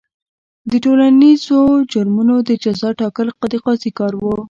د ټولنیزو جرمونو د جزا ټاکل د قاضي کار و.